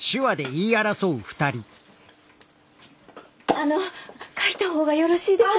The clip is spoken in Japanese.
あの書いた方がよろしいでしょうか？